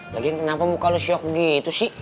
lagian kenapa muka lo shock gitu sih